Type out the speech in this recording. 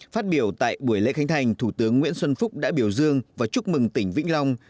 phát biểu tại buổi lễ khánh thành thủ tướng nguyễn xuân phúc đã biểu dương và chúc mừng tỉnh vĩnh long